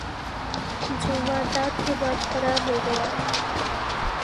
جو واردات کے بعد فرار ہو گیا